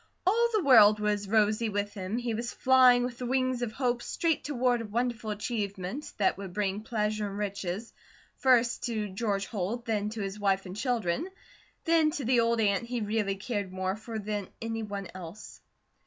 All the world was rosy with him, he was flying with the wings of hope straight toward a wonderful achievement that would bring pleasure and riches, first to George Holt, then to his wife and children, then to the old aunt he really cared more for than any one else.